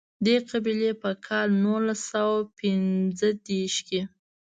دې قبیلې په کال نولس سوه پېنځه دېرش کې.